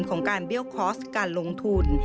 ของการเบี้ยวคอร์สการลงทุน